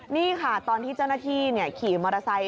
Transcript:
นี่ค่ะตอนที่เจ้าหน้าที่ขี่มอเตอร์ไซค์